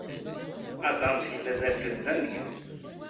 Adams yella d argaz d amegzu.